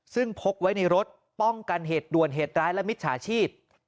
ซึ่งพกไว้ในรถป้องกันเหตุด่วนเหตุร้ายและมิจฉาชีพ